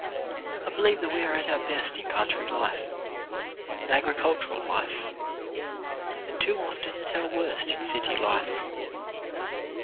I believe that we are at our best in coun try life — in agricultural life — and too often at our worst in city life.